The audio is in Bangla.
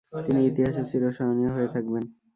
তিনি ইতিহাসে চিরস্মরণীয় হয়ে থাকবেন।